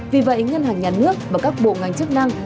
vì vậy ngân hàng nhà nước và các bộ ngành chức năng